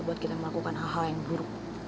buat kita melakukan hal hal yang buruk